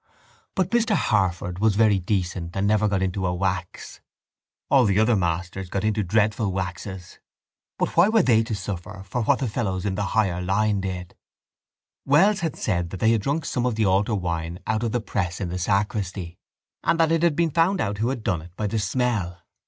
But Mr Harford was very decent and never got into a wax. All the other masters got into dreadful waxes. But why were they to suffer for what fellows in the higher line did? Wells had said that they had drunk some of the altar wine out of the press in the sacristy and that it had been found out who had done it by the smell.